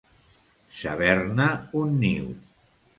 Saber-ne un niu.